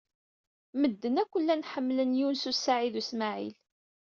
Medden akk llan ḥemmlen Yunes u Saɛid u Smaɛil.